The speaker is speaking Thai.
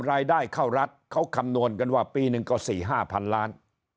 รายได้เข้ารัฐเขาคำนวณกันว่าปีหนึ่งก็๔๕พันล้าน